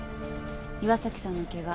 岩崎さんのケガ